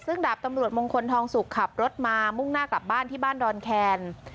ซึ่งดาบตำรวจมงคลทองสุกขับรถมามุ่งหน้ากลับบ้านที่บ้านดอนแคน